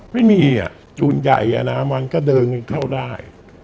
ไม่มีทุนไข่นามันก็เดินขึ้นเข้าได้